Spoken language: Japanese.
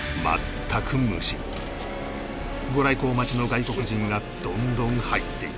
御来光待ちの外国人がどんどん入っていく